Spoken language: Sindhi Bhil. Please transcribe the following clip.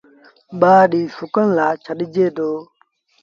ٻآ ڏيٚݩهݩ سُڪڻ لآ ڇڏجي دو۔